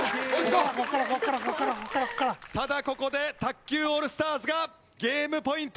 ただここで卓球オールスターズがゲームポイント。